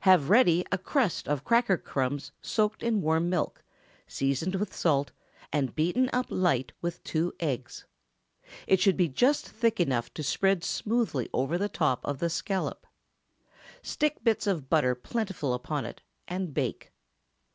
Have ready a crust of cracker crumbs soaked in warm milk, seasoned with salt, and beaten up light with two eggs. It should be just thick enough to spread smoothly over the top of the scallop. Stick bits of butter plentifully upon it, and bake.